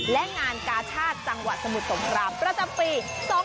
และงานกาชาติจังหวัดสมุทรสงครามประจำปี๒๕๖